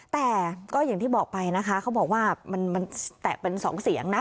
แต่ก็อย่างที่บอกไปนะคะเขาบอกว่ามันแตะเป็นสองเสียงนะ